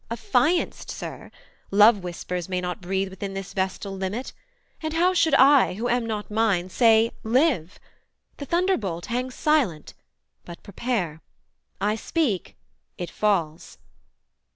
Affianced, Sir? love whispers may not breathe Within this vestal limit, and how should I, Who am not mine, say, live: the thunderbolt Hangs silent; but prepare: I speak; it falls.'